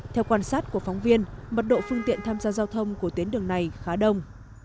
theo quan sát của phóng viên mật độ phương tiện tham gia giao thông của tuyến đường này khá đông